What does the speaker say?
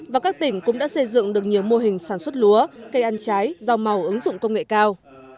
và các tỉnh cũng đã xây dựng được nhiều mô hình sản xuất lúa cây ăn trái rau màu ứng dụng công nghệ cao